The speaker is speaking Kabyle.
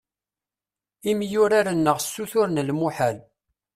Imyurar-nneɣ ssuturen lmuḥal.